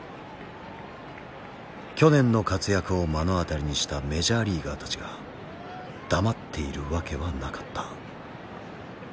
去年の活躍を目の当たりにしたメジャーリーガーたちが黙っているわけはなかった。